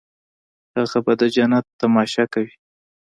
هغه به د جنت تماشه کوي.